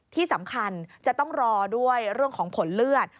ที่สำคัญจะต้องรอด้วยเรื่องของผลเลือด